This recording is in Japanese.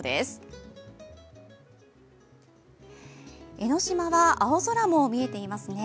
江の島は青空も見えていますね。